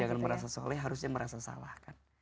jangan merasa soleh harusnya merasa salah kan